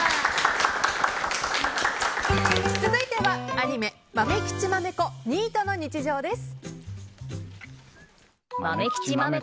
続いてはアニメ「まめきちまめこニートの日常」です。